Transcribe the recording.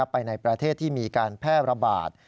ไปในประเทศที่มีการแพร่ระบาด